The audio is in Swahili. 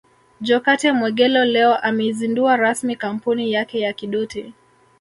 Jokate Mwegelo leo ameizundua rasmi kampuni yake ya Kidoti